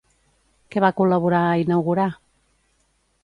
Què va col·laborar a inaugurar?